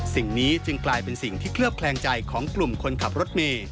สิ่งนี้จึงกลายเป็นสิ่งที่เคลือบแคลงใจของกลุ่มคนขับรถเมย์